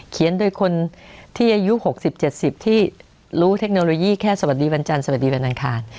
เขียนโดยคนที่อายุ๖๐๗๐ที่รู้เทคโนโลยีแค่สวัสดีวันจันทร์สวัสดีวันอังคาร